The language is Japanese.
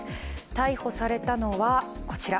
逮捕されたのは、こちら。